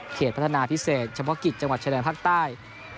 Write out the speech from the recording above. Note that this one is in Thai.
เขตพัฒนาพิเศษชมกิจจังหวัดชนานภาคใต้